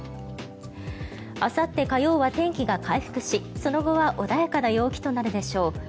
あさって火曜は天気が回復しその後は穏やかな陽気となるでしょう。